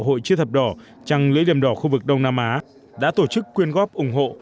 hội chữ thập đỏ trăng lưỡi liềm đỏ khu vực đông nam á đã tổ chức quyên góp ủng hộ